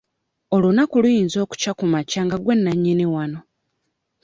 Olunaku luyinza okukya ku makya nga gwe nannyini wano.